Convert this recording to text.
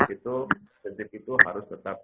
itu prinsip itu harus tetap